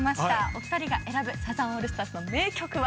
お二人が選ぶサザンオールスターズの名曲は？